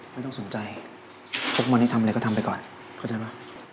ไม่ต้องสนใจพวกวันนี้ทำอะไรก็ทำไปก่อนเข้าใจป่ะ